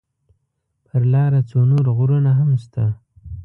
پر لاره څو نور غرونه هم شته.